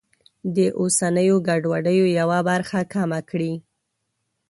د اوسنیو ګډوډیو یوه برخه کمه کړي.